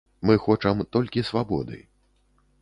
Мы хочам толькі свабоды.